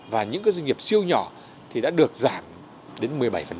và những doanh nghiệp siêu nhỏ thì đã được giảm đến một mươi bảy